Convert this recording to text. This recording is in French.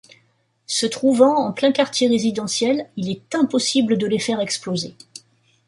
Se trouvant en plein quartier résidentiel, il est impossible de les faire exploser.